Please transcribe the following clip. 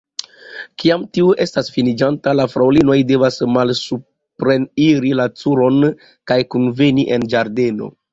Kiam tio estas finiĝinta, la fraŭlinoj devas malsupreniri la turon kaj kunveni en ĝardeno.